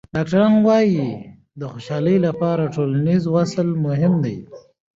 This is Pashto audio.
ډاکټران وايي د خوشحالۍ لپاره ټولنیز وصل مهم دی.